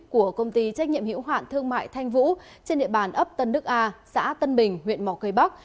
của công ty trách nhiệm hiểu hạn thương mại thanh vũ trên địa bàn ấp tân đức a xã tân bình huyện mỏ cây bắc